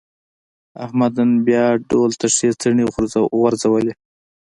احمد نن بیا ډول ته ښې څڼې غورځولې.